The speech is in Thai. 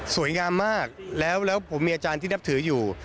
สวยงามมากแล้วผมมีอาจารย์ที่นับถืออยู่